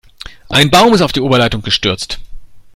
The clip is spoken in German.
Ein Baum ist auf die Oberleitung gestürzt.